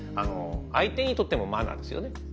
相手にとってもマナーですよね。